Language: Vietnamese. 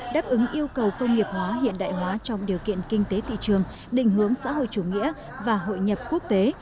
đáp ứng yêu cầu công nghiệp hóa hiện đại hóa trong điều kiện kinh tế thị trường định hướng xã hội chủ nghĩa và hội nhập quốc tế